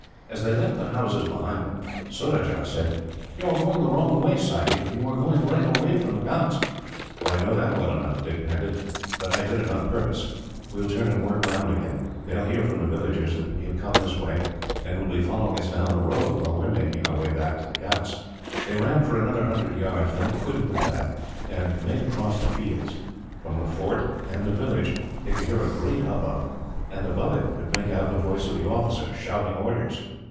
As they left the houses behind them, Surajah said: "You are going the wrong way, Sahib. You are going right away from the ghauts." "I know that well enough," Dick panted; "but I did it on purpose. We will turn and work round again. They will hear, from the villagers, that we have come this way, and will be following us down the road while we are making our way back to the ghauts." They ran for another hundred yards, then quitted the path, and made across the fields. From the fort and village they could hear a great hubbub, and above it could make out the voice of the officer, shouting orders.